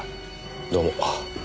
どうも。